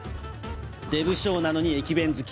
出無精なのに駅弁好き。